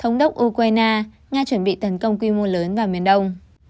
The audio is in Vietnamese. thống đốc ukraine nga chuẩn bị tấn công quy mô lớn vào miền đông